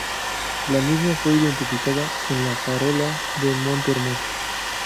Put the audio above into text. La misma fue identificada en la Farola de Monte Hermoso.